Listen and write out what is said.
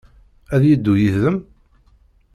Ad yeddu yid-m?